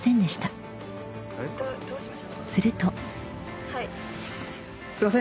［すると］